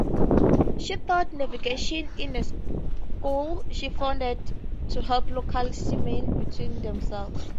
She taught navigation in a school she founded to help local seamen better themselves.